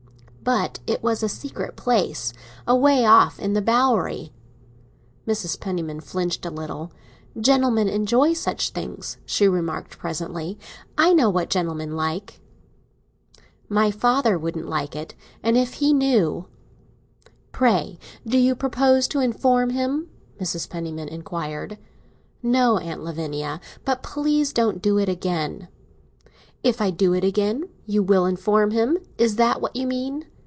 "But it was a secret place—away off in the Bowery." Mrs. Penniman flinched a little. "Gentlemen enjoy such things," she remarked presently. "I know what gentlemen like." "My father wouldn't like it, if he knew." "Pray, do you propose to inform him?" Mrs. Penniman inquired. "No, Aunt Lavinia. But please don't do it again." "If I do it again, you will inform him: is that what you mean?